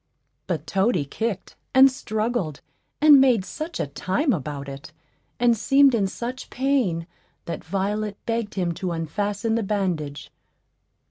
But Toady kicked, and struggled, and made such a time about it, and seemed in such pain, that Violet begged him to unfasten the bandage.